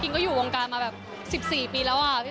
ก็อยู่วงการมาแบบ๑๔ปีแล้วอะพี่